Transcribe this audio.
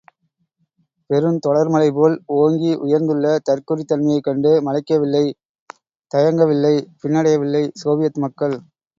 பெருந்தொடர்மலை போல், ஒங்கி உயர்ந்துள்ள தற்குறித் தன்மையைக் கண்டு மலைக்கவில்லை, தயங்கவில்லை, பின்னடையவில்லை சோவியத் மக்கள்.